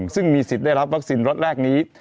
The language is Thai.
ซึ่งมีสิทธิ์ได้รับวัคซีนล็อตแรกนี้